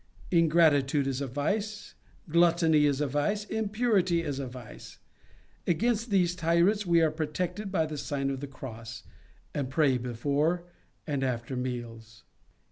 Ingratitude is a vice, gluttony is a vice, impurity is a vice. Against these tyrants we are protected by the Sign of the Cross, and prayer before and after meals.